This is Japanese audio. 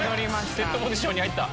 セットポジションに入った。